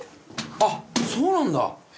あっそうなんだ！